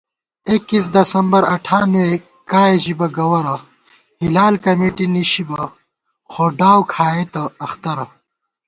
اکیس دسمبر اٹھانوے کائے ژِبہ گوَرہ * ہِلال کمیٹی نِشِبہ خو ڈاؤ کھائیبہ اخترہ